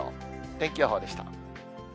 天気予報でした。